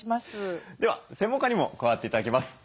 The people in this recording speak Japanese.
では専門家にも加わって頂きます。